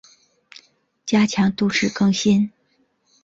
加强都市更新